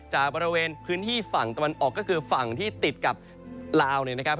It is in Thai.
จากบริเวณพื้นที่ฝั่งตะวันออกก็คือฝั่งที่ติดกับลาวเนี่ยนะครับ